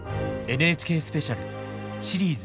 ＮＨＫスペシャルシリーズ